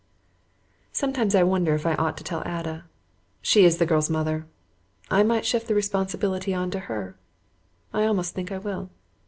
Sometimes I wonder if I ought to tell Ada. She is the girl's mother. I might shift the responsibility on to her. I almost think I will.